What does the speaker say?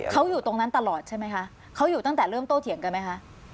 เขาอยู่ตรงนั้นตลอดใช่ไหมคะเขาอยู่ตั้งแต่เริ่มโตเถียงกันไหมคะ